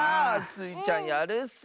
スイちゃんやるッス。